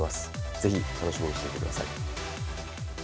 ぜひ楽しみにしていてください。